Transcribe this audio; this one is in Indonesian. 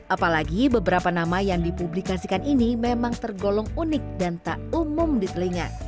apalagi beberapa nama yang dipublikasikan ini memang tergolong unik dan tak umum di telinga